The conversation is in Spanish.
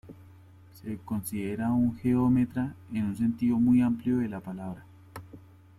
Se considera un geómetra en un sentido muy amplio de la palabra.